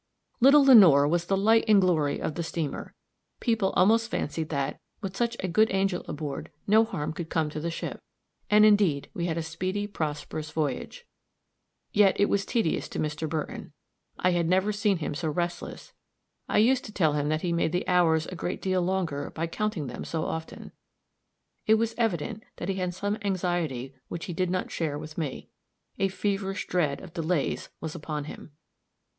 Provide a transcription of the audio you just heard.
Little Lenore was the light and glory of the steamer. People almost fancied that, with such a good angel aboard, no harm could come to the ship. And indeed we had a speedy, prosperous voyage. Yet it was tedious to Mr. Burton. I had never seen him so restless. I used to tell him that he made the hours a great deal longer by counting them so often. It was evident that he had some anxiety which he did not share with me. A feverish dread of delays was upon him.